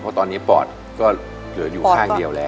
เพราะตอนนี้ปอดก็เหลืออยู่ข้างเดียวแล้ว